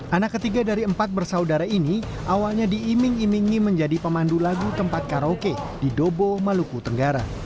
anak ketiga dari empat bersaudara ini awalnya diiming imingi menjadi pemandu lagu tempat karaoke di dobo maluku tenggara